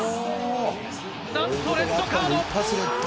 なんとレッドカード。